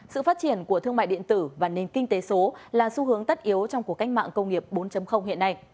sự phát triển của thương mại điện tử và nền kinh tế số là xu hướng tất yếu trong cuộc cách mạng công nghiệp bốn hiện nay